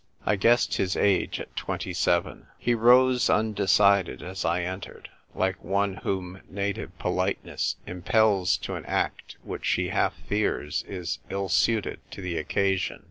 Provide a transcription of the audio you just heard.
I guessed his age at twenty seven. He rose undecided as I entered, like one whom native politeness im pels to an act which he half fears is ill suited to the occasion.